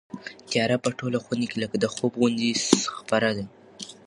تیاره په ټوله خونه کې لکه د خوب غوندې خپره ده.